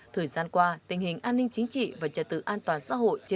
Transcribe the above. thời gian qua tình hình an ninh chính trị và trật tự an toàn xã hội